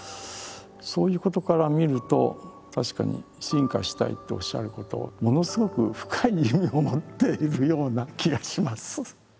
そういうことから見ると確かに「しんかしたい」っておっしゃることはものすごく深い意味を持っているような気がします。